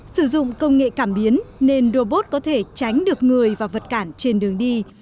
sử dụng công nghệ cảm biến nên robot có thể tránh được người và vật cản trên đường đi